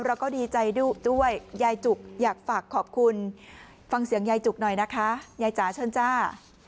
เราก็ดีใจด้วยยายจุกอยากฝากขอบคุณฟังเสียงยายจุกหน่อยนะคะยายจ๋าเชิญจ้า